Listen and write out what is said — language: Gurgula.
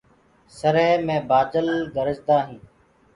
سرهي مي بآدل گرجدآ هينٚ